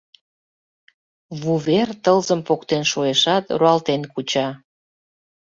Вувер тылзым поктен шуэшат, руалтен куча.